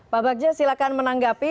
pak bagja silahkan menanggapi